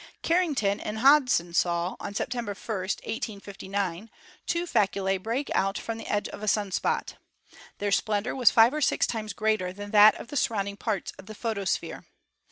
Carrington and Hodgson saw, on Sep tember 1, 1859, two faculae break out from the edge of a sun spot. Their splendor was five or six times greater than that of the surrounding parts of the photosphere.